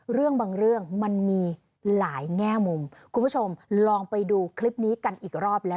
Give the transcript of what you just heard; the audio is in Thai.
เรื่องบางเรื่องมันมีหลายแง่มุมคุณผู้ชมลองไปดูคลิปนี้กันอีกรอบแล้ว